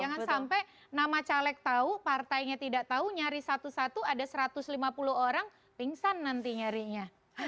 jangan sampai nama caleg tahu partainya tidak tahu nyari satu satu ada satu ratus lima puluh orang pingsan nanti nyarinya